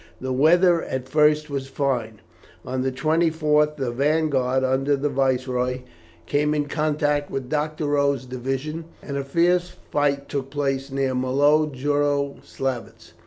The weather at first was fine. On the 24th the vanguard, under the Viceroy, came in contact with Doctorow's division, and a fierce fight took place near Malo Jaroslavets.